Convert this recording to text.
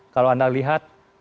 kalau anda lihat